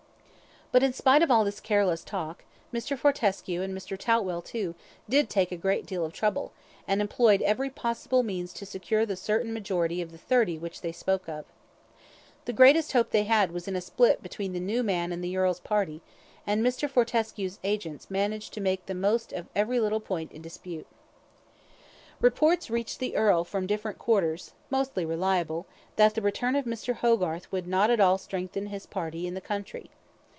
But, in spite of all this careless talk, Mr. Fortescue, and Mr. Toutwell too, did take a great deal of trouble, and employed every possible means to secure the certain majority of thirty which they spoke of. The greatest hope they had was in a split between the new man and the earl's party, and Mr. Fortescue's agents managed to make the most of every little point in dispute. Reports reached the earl from different quarters, mostly reliable, that the return of Mr. Hogarth would not at all strengthen his party in the country.